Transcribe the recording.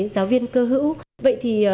giáo viên cơ hữu vậy thì